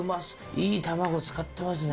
いい卵使ってますね